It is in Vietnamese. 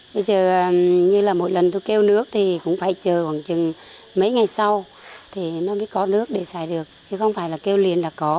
bây giờ như là mỗi lần tôi kêu nước thì cũng phải chờ khoảng chừng mấy ngày sau thì nó mới có nước để xài được chứ không phải là kêu liền là có